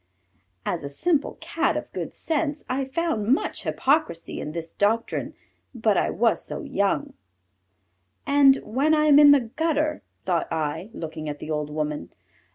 As a simple Cat of good sense, I found much hypocrisy in this doctrine, but I was so young! "And when I am in the gutter?" thought I, looking at the old woman.